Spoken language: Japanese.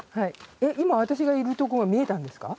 今私がいるとこが見えたんですか？